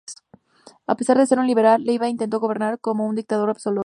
A pesar de ser un liberal, Leiva intentó gobernar como un dictador absoluto.